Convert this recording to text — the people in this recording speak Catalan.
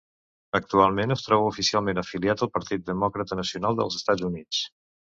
Actualment es troba oficialment afiliat al Partit Demòcrata nacional dels Estats Units.